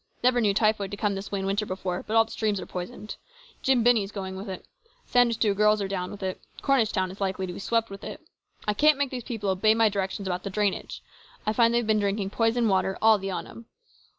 Never knew typhoid to come this way in winter before, but all the streams are poisoned. Jim Binney is going with it. Sanders' two girls are down with it. Cornish town is likely to be swept with it. I can't make these people obey my directions about the drainage. I find they've been drinking poisoned water all the autumn.